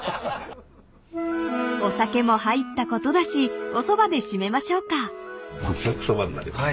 ［お酒も入ったことだしおそばで締めましょうか］